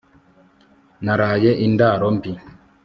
naraye indaro mbi